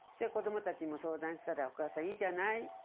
子どもたちにも相談したら「お母さんいいじゃない。